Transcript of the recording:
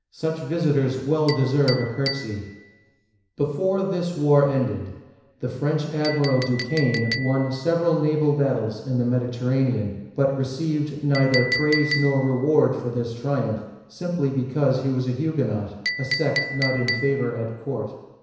Such vis itors well deserve a curtsy !" Before this war ended, the French admiral Duquesne (dii kan') won several naval battles in the Mediterranean, but received neither praise nor reward for this triumph, simply because he was a Hu guenot, — a sect not in favor at court.